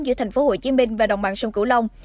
giữa tp hcm và đồng bằng sông cửu long